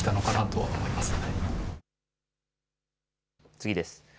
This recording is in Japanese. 次です。